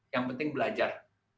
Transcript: yang penting belajar